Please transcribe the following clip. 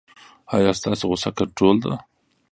ایا ستاسو غوسه کنټرول ده؟